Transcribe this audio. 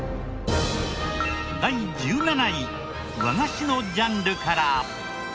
第１７位和菓子のジャンルから。